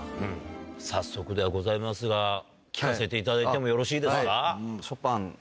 早速ではございますが聴かせていただいてもよろしいですか？